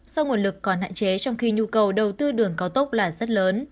do nguồn lực còn hạn chế trong khi nhu cầu đầu tư đường cao tốc là rất lớn